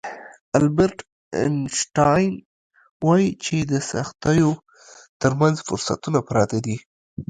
البرټ انشټاين وايي چې د سختیو ترمنځ فرصتونه پراته دي.